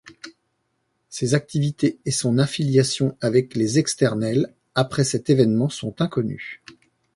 Ses activités et son affiliation avec les Externels après cet évènement sont inconnues.